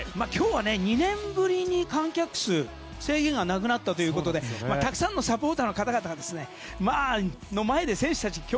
今日は２年ぶりに観客数制限がなくなったということでたくさんのサポーターの方々の前で選手たち